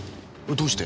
どうして？